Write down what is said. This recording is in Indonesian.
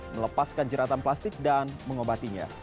melepaskan jeratan plastik dan mengobatinya